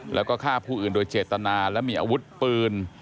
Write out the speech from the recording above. แล้วก็ฆ่าผู้อื่นโดยเจตนาและมีอาวุธปืน